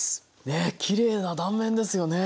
ねえきれいな断面ですよね。